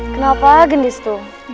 kenapa gendis tuh